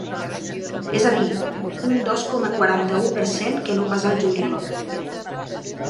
És a dir, un dos coma quaranta-u per cent que no pas al juliol.